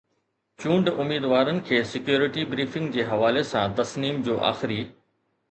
چونڊ اميدوارن کي سيڪيورٽي بريفنگ جي حوالي سان تسنيم جو آخري